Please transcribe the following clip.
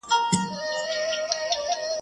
o خوار سو د ټره ونه لوېدئ.